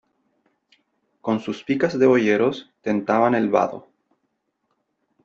con sus picas de boyeros tentaban el vado .